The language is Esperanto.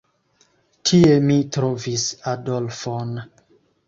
Tie mi trovis Adolfon.